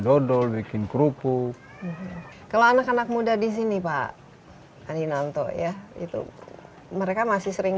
dodol bikin kerupuk kalau anak anak muda di sini pak adinanto ya itu mereka masih sering